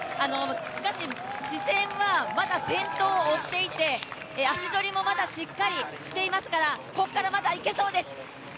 しかし、視線はまだ先頭を追っていて足取りもまだしっかりしていますからここから、まだいけそうです！